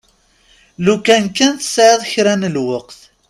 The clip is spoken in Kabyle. Lukan kan tesɛiḍ kra n lweqt.